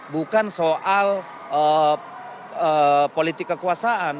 bukan soal politik kekuasaan